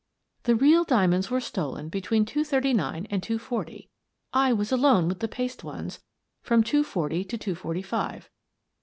The real diamonds were stolen between two thirty nine and two forty. I was alone with the paste ones from two forty to two forty five.